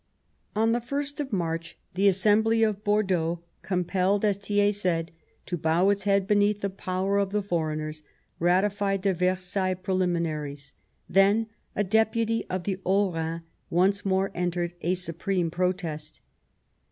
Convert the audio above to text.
On the ist of March the Assembly of Bordeaux, " compelled," as Thiers said, " to bow its head beneath the power of the foreigners," ratified the Versailles Preliminaries. Then a Deputy of the Haut Rhin once more entered a supreme protest.